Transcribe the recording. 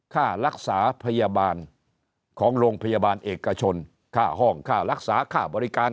ค่ารักษาพยาบาลของโรงพยาบาลเอกชนค่าห้องค่ารักษาค่าบริการ